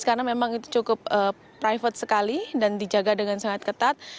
karena memang itu cukup private sekali dan dijaga dengan sangat ketat